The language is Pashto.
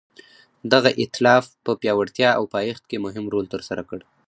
دغه ایتلاف په پیاوړتیا او پایښت کې مهم رول ترسره کړ.